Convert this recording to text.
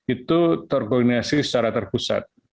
itu terkoordinasi secara terpusat